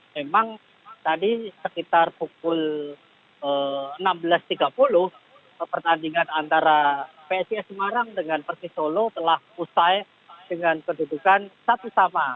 memang tadi sekitar pukul enam belas tiga puluh pertandingan antara psis semarang dengan persisolo telah usai dengan kedudukan satu sama